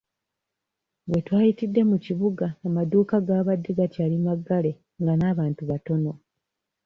We twayitidde mu kibuga amaduuka gaabadde gakyali maggale nga n'abantu batono